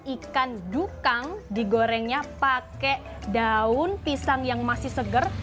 ikan dukang digorengnya pakai daun pisang yang masih seger